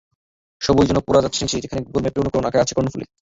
সবই যেন পড়ে যাচ্ছে নিচে, যেখানে গুগল ম্যাপের অনুকরণে অাঁকা আছে কর্ণফুলী।